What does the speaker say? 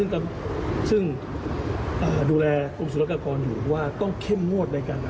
เราตกยุคไหม